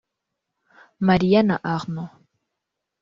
Maria na Arnold